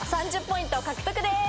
３０ポイントの獲得です。